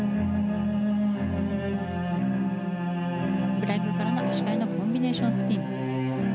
フライングからの足換えのコンビネーションスピン。